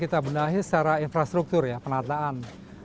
kita benahi secara infrastruktur ya penataan